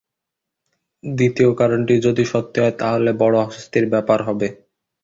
দ্বিতীয় কারণটি যদি সত্যি হয়, তাহলে বড় অস্বস্তির ব্যাপার হবে।